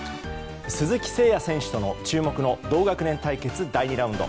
鈴木誠也選手との注目の同学年対決第２ラウンド。